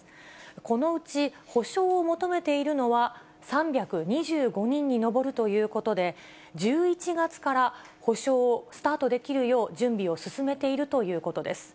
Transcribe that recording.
このうち補償を求めているのは、３２５人に上るということで、１１月から補償をスタートできるよう、準備を進めているということです。